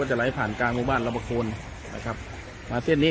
จะไหลผ่านกลางบ้านมากรู้มาเส้นนี้